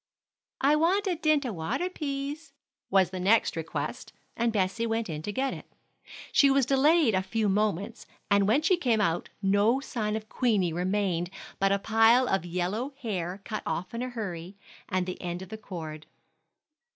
"I want a dint a water, pease," was the next request, and Bessie went in to get it. She was delayed a few moments, and when she came out no sign of Queenie remained but a pile of yellow hair cut off in a hurry, and the end of the cord.